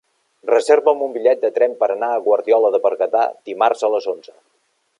Reserva'm un bitllet de tren per anar a Guardiola de Berguedà dimarts a les onze.